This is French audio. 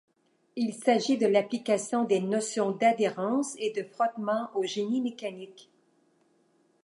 Il s'agit de l'application des notions d'adhérence et de frottement au génie mécanique.